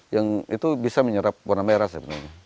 yang itu bisa menyerap warna merah sebenarnya